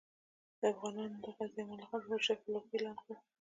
افغانانو د غازي امان الله خان په مشرۍ خپلواکي اعلان کړه.